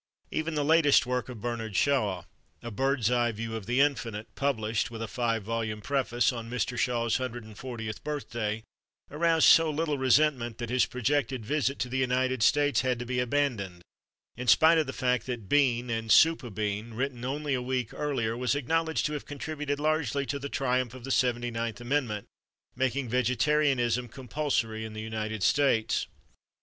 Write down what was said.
Even the latest work of Bernard Shaw, "A Bird's Eye View of the Infinite," published (with a five volume preface) on Mr. Shaw's hundred and fortieth birthday, aroused so little resentment that his projected visit to the United States had to be abandoned, in spite of the fact that "Bean and Soup o'Bean," written only a week earlier, was acknowledged to have contributed largely to the triumph of the Seventy ninth Amendment, making Vegetarianism compulsory in the United States.